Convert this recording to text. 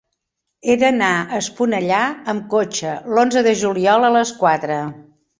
He d'anar a Esponellà amb cotxe l'onze de juliol a les quatre.